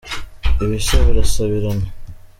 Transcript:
Ibisa birasabirana.